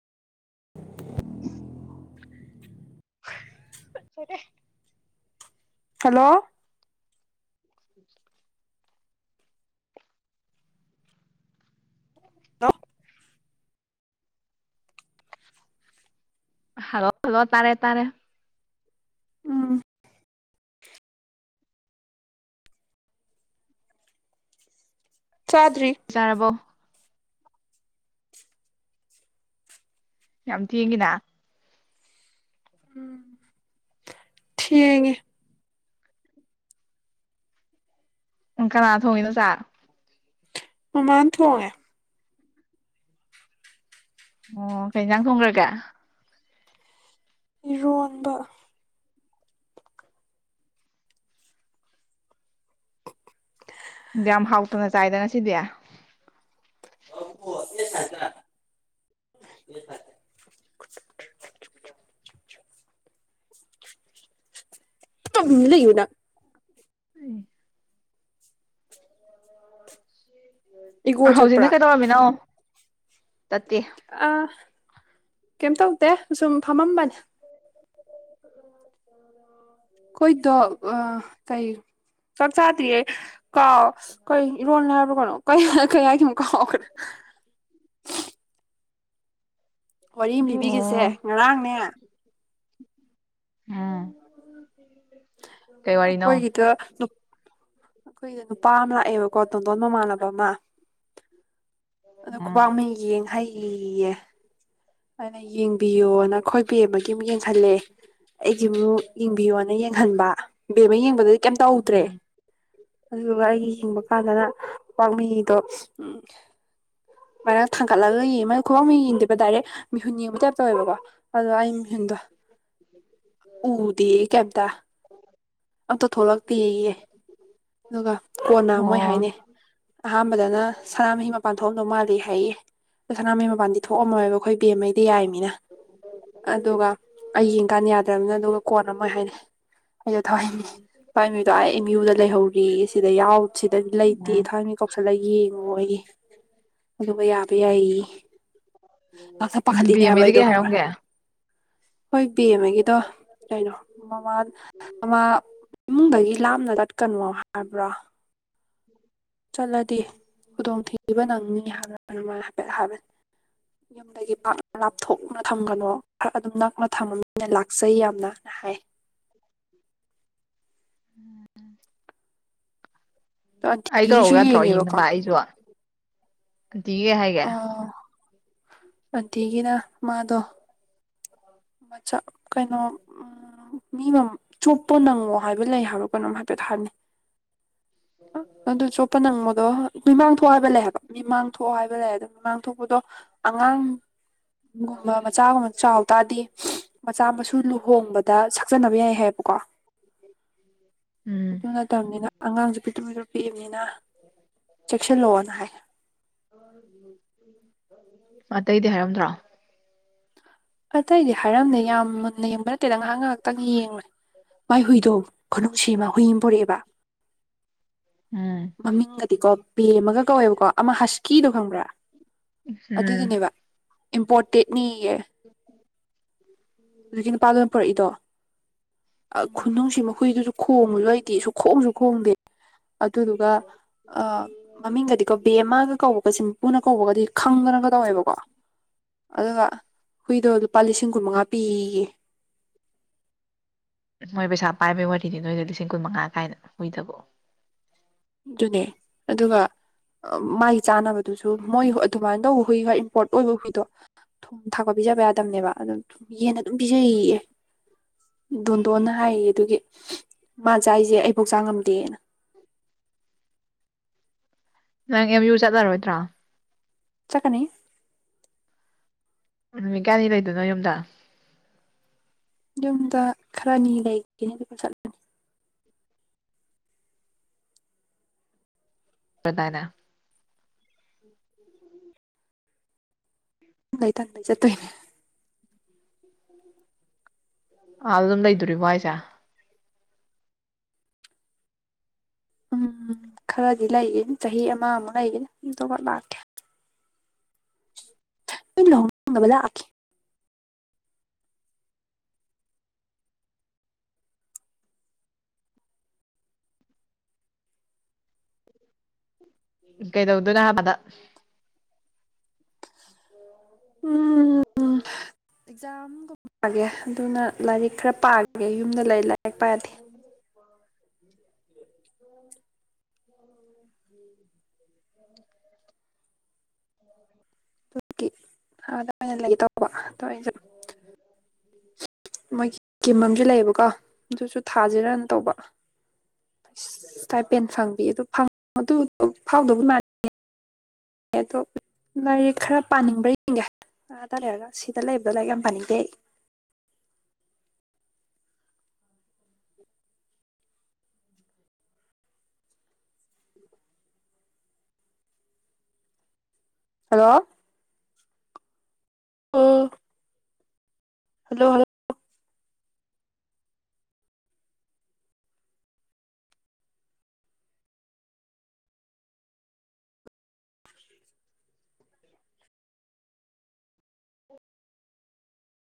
ꯐꯔꯦ ꯍꯜꯂꯣ ꯎꯝ [inaudible] ꯑ [inaudible] hello hello ꯇꯥꯔꯦ ꯇꯔꯦ ꯎꯝ ꯆꯥꯗ꯭ꯔꯤ ꯆꯥꯔꯕꯣ ꯌꯥꯝ ꯊꯦꯡꯉꯤꯅ ꯎꯝ ꯊꯦꯡꯉꯤ ꯎꯝ ꯀꯅꯥ ꯊꯣꯡꯉꯤꯅꯣ ꯆꯥ ꯃꯃꯥꯟ ꯊꯣꯡꯉꯦ ꯑꯣ ꯀꯩꯖꯥꯡ ꯊꯣꯡꯈ꯭ꯔꯒ ꯏꯔꯣꯟꯕ ꯌꯥꯝ ꯍꯥꯎꯇꯅ ꯆꯥꯏꯗ ꯉꯁꯤꯗꯤ ꯑ ꯑꯣ ꯑꯦ ꯊꯥꯖ [inaudible] [inaudible] [inaudible] ꯂꯩꯌꯨ ꯅꯪ ꯎ ꯏꯒꯣ ꯆꯠꯄ꯭ꯔꯥ ꯍꯧꯖꯤꯛꯅ ꯀꯩꯗꯧꯔꯝꯃꯤꯅꯣ ꯆꯠꯇꯦ ꯑ ꯀꯩꯝ ꯇꯧꯗꯦ ꯁꯨꯝ ꯐꯝꯃꯝꯕꯅꯤ [inaudible] ꯀꯣꯏꯗꯣ ꯑ ꯀꯩ ꯆꯥꯛ ꯆꯥꯗ꯭ꯔꯤꯌꯦ ꯀꯥꯎ ꯀꯩ ꯏꯔꯣꯜꯅ ꯍꯥꯏꯔꯕ꯭ꯔꯣ ꯀꯅꯣ ꯀꯌꯥꯒꯤ ꯑꯃꯨꯛꯀ ꯍꯥꯎ ꯋꯥꯔꯤ ꯑꯃ ꯂꯤꯕꯤꯒꯁꯦ ꯑꯣ ꯉꯔꯥꯡꯅꯦ ꯎꯝ ꯀꯩ ꯋꯥꯔꯤꯅꯣ ꯑꯩꯈꯣꯏꯒꯤꯗ ꯑꯩꯈꯣꯏꯗ ꯅꯨꯄꯥ ꯑꯃ ꯂꯥꯛꯑꯦꯕꯀꯣ ꯇꯣꯟꯗꯣꯟ ꯃꯃꯥꯟꯅꯕ ꯑꯃ ꯑꯗꯣ ꯎꯝ ꯈꯨꯕꯥꯛꯅꯩ ꯌꯦꯡ ꯍꯩꯌꯦ ꯑꯩꯅ ꯌꯦꯡꯕꯤꯌꯣ ꯅꯈꯣꯏꯕꯤ ꯑꯃꯒꯤ ꯑꯃꯨꯛ ꯌꯦꯡꯁꯜꯂꯛꯑꯦ ꯑꯩꯒꯤꯃꯛ ꯌꯦꯡꯕꯤꯌꯣꯅ ꯌꯦꯡꯍꯟꯕ ꯕꯦꯝ ꯑꯃ ꯌꯦꯡꯕꯗꯗꯤ ꯀꯩꯝ ꯇꯧꯗ꯭ꯔꯦ ꯎꯝ ꯑꯗꯨꯗꯨꯒ ꯑꯩꯒꯤ ꯍꯤꯡꯕ ꯀꯥꯟꯗꯅ ꯄꯋꯥꯛꯃꯤꯗꯣ ꯎꯝ ꯃꯔꯔꯥꯡ ꯊꯥꯡꯒꯠꯂꯒ ꯌꯦꯡꯉ ꯃ ꯈꯨꯕꯡ ꯃ ꯌꯦꯡꯗꯦꯕ ꯗꯥꯏꯔꯦꯛ ꯃꯤꯍꯨꯟ ꯌꯦꯡꯕ ꯇꯥꯏꯞꯇꯧꯋꯦꯕꯀꯣ ꯑꯗꯣ ꯑꯩ ꯃꯤꯍꯨꯟꯗꯣ ꯎꯗꯤ ꯀꯦꯗ ꯑꯝꯇ ꯊꯣꯛꯂꯛꯇꯤ ꯍꯏꯦ ꯑꯗꯨꯒ ꯀꯣꯟꯅ ꯃꯣꯏ ꯑꯣ ꯍꯥꯏꯅꯤ ꯑꯍꯥꯟꯕꯗꯅ ꯁꯅꯥꯃꯍꯤ ꯃꯄꯥꯟ ꯊꯣꯛꯑꯗꯧ ꯃꯥꯜꯂꯤ ꯍꯥꯏꯌꯦ ꯑꯗꯣ ꯁꯅꯥꯃꯍꯤ ꯃꯄꯥꯟꯗꯤ ꯊꯣꯛꯑꯝꯃꯣꯏꯕ ꯑꯩꯈꯣꯏ ꯕꯦꯝꯃꯩꯗꯤ ꯌꯥꯏ ꯃꯤꯅ ꯑꯗꯨꯒ ꯑꯩ ꯌꯦꯡꯀꯥꯟ ꯌꯥꯗ꯭ꯔꯕꯅꯤꯅ ꯑꯗꯨꯒ ꯀꯣꯟꯅꯝꯃꯣꯏ ꯍꯥꯏꯅꯤ ꯑꯩꯗꯣ ꯊꯋꯥꯏꯅꯤ ꯊꯋꯥꯏ ꯃꯤꯗꯣ ꯑꯩ ꯑꯦꯝ ꯌ꯭ꯌꯨꯗ ꯂꯩꯍꯧꯔꯤ ꯁꯤꯗ ꯌꯥꯎ ꯁꯤꯗꯗꯤ ꯂꯩꯇꯦ ꯊ ꯈꯂ ꯌꯦꯡꯉꯣ ꯑꯩꯒꯤ ꯑꯗꯨꯒꯕ ꯌꯥꯕ ꯌꯥꯏ ꯀꯥꯛꯊꯠ ꯎꯝ ꯄꯥꯈꯠꯂꯤꯅꯦ ꯍꯥꯏꯕ ꯕꯦꯝꯃꯩꯗꯤ ꯑꯩꯗꯣ ꯀꯩ ꯈꯪꯕ꯭ꯔ ꯍꯥꯏꯔꯝꯒꯦ ꯍꯣꯏ ꯕꯃꯒꯤꯗꯣ ꯀꯩꯅꯣ ꯃꯃꯥꯃꯥ ꯏꯃꯨꯡꯗꯒꯤ ꯂꯥꯞꯅ ꯆꯠꯀꯅꯣ ꯍꯥꯏꯕ꯭ꯔꯣ ꯆꯠꯂꯗꯤ ꯈꯨꯗꯣꯡꯊꯤꯕ ꯅꯪꯅꯤ ꯍꯥꯏꯕ ꯑꯗꯨꯃꯥꯏꯅ ꯍꯥꯏꯐꯦꯠ ꯍꯥꯏꯕꯅꯤ ꯌꯨꯝꯗꯒꯤ ꯄꯥꯛꯅ ꯂꯥꯞꯊꯣꯛꯅ ꯊꯝꯒꯅꯣ ꯈꯔ ꯑꯗꯨꯝ ꯅꯛꯅ ꯊꯝꯃꯃꯤꯅ ꯂꯥꯛꯆꯩ ꯌꯥꯝꯅꯅ ꯍꯥꯏ ꯎꯝ ꯑꯗꯣ ꯑꯩ ꯑꯟꯇꯤꯒꯤꯁꯨ ꯀꯧ ꯌꯥꯗ꯭ꯔꯣ ꯌꯦꯡꯉꯦꯕꯀꯣ ꯌꯦꯡꯅꯕ ꯑꯩꯁꯨ ꯗꯤꯤꯒꯦ ꯍꯥꯏꯦ ꯑꯗꯨꯤꯒꯤꯅ ꯃꯥꯗꯣ ꯃꯆꯥ ꯀꯩꯅꯣ ꯎ ꯃꯤꯃ ꯆꯨꯞ ꯄꯣ ꯅꯪꯉꯣ ꯍꯥꯏꯕ ꯂꯩ ꯍꯥꯏꯕ꯭ꯔꯣ ꯀꯩꯅꯣꯝ ꯍꯥꯏꯐꯦꯠ ꯍꯥꯏꯔꯅꯤ ꯑꯗꯨ ꯆꯣꯞꯄ ꯅꯪꯉꯗꯣ ꯃꯤꯃꯥꯡ ꯊꯣꯛ ꯍꯥꯏꯕ ꯂꯩ ꯍꯥꯏꯕ ꯃꯤꯃꯥꯡ ꯊꯣꯛꯑꯣ ꯍꯥꯏꯕ ꯂꯩ ꯑꯗꯨꯣ ꯃꯃꯥꯡ ꯊꯣꯛꯄꯗꯣ ꯑꯉꯥꯡꯒꯨꯝꯕ ꯃꯆꯥꯒꯨꯝꯕ ꯆꯥꯎꯇꯥꯗꯤ ꯃꯆꯥ ꯃꯁꯨ ꯂꯨꯍꯣꯡꯕꯗ ꯁꯛꯆꯅꯕ ꯌꯥꯏ ꯍꯥꯏꯌꯦꯕꯀꯣ ꯎꯝ ꯑꯗꯨ ꯅꯠꯇꯕꯅꯤꯅ ꯑꯉꯥꯡꯁꯨ ꯄꯤꯠꯇ ꯄꯤ ꯄꯤꯕꯅꯤꯅ ꯆꯦꯛꯁꯤꯜꯂꯛꯑꯣꯅ ꯍꯥꯏ ꯑꯇꯩꯗꯤ ꯍꯥꯏꯔꯝꯗ꯭ꯔꯥ ꯑꯇꯩꯗꯤ ꯍꯥꯏꯔꯝꯅꯦ ꯌꯥꯝ ꯃꯨꯟꯅ ꯌꯦꯡꯕ ꯅꯠꯇꯦꯗ ꯉꯥꯏꯍꯥꯛ ꯉꯥꯏꯍꯥꯛꯇꯪ ꯌꯦꯡꯉꯣꯏ ꯃꯥꯏ ꯍꯨꯏꯗꯣ ꯈꯨꯅꯨꯡꯁꯤ ꯑꯃ ꯍꯨꯏ ꯑꯃ ꯄꯨꯔꯛꯑꯦꯕ ꯎꯝ ꯃꯃꯤꯡꯒꯗꯤꯀꯣ ꯕꯦꯝꯃꯒ ꯀꯧꯋꯦꯕꯀꯣ ꯑꯃ ꯍꯁꯀꯤꯗꯨꯣ ꯈꯪꯕ꯭ꯔꯥ ꯎꯝ ꯑꯗꯨꯗꯨꯅꯦꯕ ꯏꯝꯄꯣꯔꯇꯦꯠꯅꯤꯌꯦ ꯑꯗꯨꯒꯤ ꯅꯨꯄꯥ ꯂ ꯑꯣꯏꯅ ꯄꯨꯔꯛꯏꯗꯣ ꯈꯨꯅꯨꯡꯁꯤ ꯃꯈꯣꯏꯏꯗꯨꯁꯨ ꯈꯣꯡꯕꯁꯨ ꯂꯩꯇꯦꯁꯨ ꯈꯣꯡꯁꯨ ꯈꯣꯡꯗꯦ ꯑꯗꯨꯗꯨꯒ ꯃꯃꯤꯡꯒꯗꯤꯀꯣ ꯕꯦꯃꯒ ꯀꯧꯕꯒ ꯁꯤꯝꯄꯨꯅ ꯀꯧꯕꯒꯗꯤ ꯐꯪꯗꯅꯒ ꯇꯧꯋꯦꯕꯀꯣ ꯑꯗꯨꯒ ꯍꯨꯏꯗꯣ ꯂꯨꯄꯥ ꯂꯤꯁꯤꯡ ꯀꯨꯟꯃꯉꯥ ꯐ ꯃꯣꯏ ꯄꯩꯁꯥ ꯄꯥꯏꯕꯩ ꯋꯥꯔꯤꯗꯤ ꯅꯣꯏꯗ ꯂꯤꯁꯤꯡ ꯀꯨꯟ ꯃꯉꯥ ꯀꯥꯏꯅ ꯍꯨꯏꯗꯕꯣ ꯑꯗꯨꯅꯦ ꯑꯗꯨꯒ ꯃꯥꯒꯤ ꯆꯥꯅꯕꯗꯨꯁꯨ ꯃꯣꯏ ꯑꯗꯨꯃꯥꯏꯅ ꯇꯧꯕ ꯍꯨꯏ ꯈ ꯏꯝꯄꯣꯔꯠ ꯑꯣꯏꯕ ꯍꯨꯏꯗꯣ ꯊꯨꯝ ꯊꯥꯛꯄ ꯄꯤꯖꯕ ꯌꯥꯗꯕꯅꯦꯕ ꯑꯗꯨꯝ ꯌꯦꯦꯟꯅ ꯑꯗꯨꯝ ꯄꯤꯖꯌꯦ ꯗꯣꯟꯗꯣꯟꯅ ꯍꯥꯏꯌꯦ ꯑꯗꯨꯒꯤ ꯃꯥ ꯆ ꯑꯩꯁꯦ ꯑꯩꯕꯨꯧ ꯆꯥꯛ ꯉꯝꯗꯦꯅ ꯅꯪ ꯑꯦꯝ ꯌꯨ ꯆꯠꯂꯔꯣꯏꯗ꯭ꯔꯥ ꯆꯀꯅꯤ ꯅꯨꯃꯤꯠ ꯀꯌꯥꯅꯤ ꯂꯩꯗꯣꯏꯅꯣ ꯌꯨꯝꯗ ꯌꯨꯝꯗ ꯈꯔꯅꯤ ꯂꯩꯒꯅꯤ ꯑꯗꯨꯒ ꯆꯠꯂꯅꯤ ꯄ꯭ꯔꯙꯅ ꯊ ꯊꯪꯩ ꯆꯠꯇꯣꯏꯅꯦ ꯑꯥ ꯑꯗꯨꯝ ꯂꯩꯗꯣꯔꯤꯕꯔꯤꯕꯣ ꯍꯥꯏꯁꯦ ꯎꯝ ꯈꯔꯗꯤ ꯂꯩꯌꯦ ꯆꯍꯤ ꯑꯃꯃꯨꯛ ꯂꯩꯌꯦꯦ ꯂꯥꯛꯀꯦ ꯂꯍꯣꯡꯕꯗ ꯀꯩ ꯇꯧꯗꯅꯍ ꯃꯗꯥ ꯎꯝ ꯑꯦꯛꯖꯥꯝꯒꯨꯝꯦ ꯑꯗꯨꯅ ꯂꯥꯏꯔꯤꯛ ꯈꯔ ꯄꯥꯒ ꯅ ꯂꯩ ꯂꯛꯄꯗꯤꯦ ꯍ ꯎ [inaudible] [inaudible] ꯑꯗꯨꯒꯤ ꯂꯩꯒꯦ ꯇꯧꯕ ꯑ ꯑꯩꯁꯨ ꯃꯣꯏꯒꯤ ꯀꯤꯝ ꯑꯃꯁꯨ ꯂꯩꯌꯦꯕꯀꯣ ꯑꯗꯨꯁꯨ ꯊꯥꯁꯦ ꯔꯟ ꯇꯧꯕ ꯇꯥꯏꯄꯦꯟ ꯐꯪꯕꯤ ꯑꯗꯨ ꯑꯗꯨ ꯐꯥꯎꯗꯧꯕ ꯃꯥ ꯑꯗꯣ ꯂꯥꯏꯔꯤꯛ ꯈꯔ ꯄꯥꯅꯤꯡꯕ꯭ꯔꯥ ꯌꯦꯡꯒꯦ ꯑ ꯇꯔꯦꯒ ꯁꯤꯗꯂ ꯏꯕꯗ ꯂ ꯀ ꯄꯅꯤꯗꯦ ꯑ ꯍꯜꯂꯣ ꯑꯝ ꯍꯜꯂꯣ ꯍꯜꯂꯣ